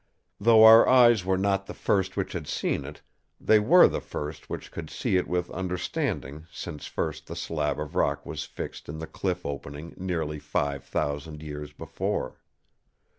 Though our eyes were not the first which had seen it, they were the first which could see it with understanding since first the slab of rock was fixed in the cliff opening nearly five thousand years before.